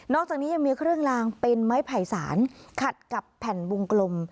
อกจากนี้ยังมีเครื่องลางเป็นไม้ไผ่สารขัดกับแผ่นวงกลม